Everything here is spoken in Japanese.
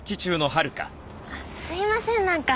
すいませんなんか。